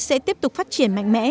sẽ tiếp tục phát triển mạnh mẽ